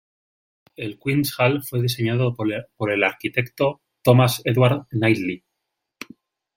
El Queen's Hall fue diseñado por el arquitecto Thomas Edward Knightley.